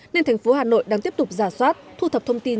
nên thành phố hà nội đang tiếp tục giả soát thu thập thông tin